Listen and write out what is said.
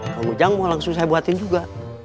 kang ujang mau langsung saya buatin juga